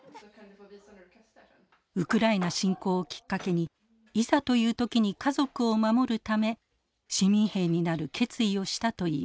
ウクライナ侵攻をきっかけにいざという時に家族を守るため市民兵になる決意をしたといいます。